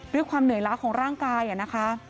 ด้วยความเหนื่อยล้าของร่างกายนะคะ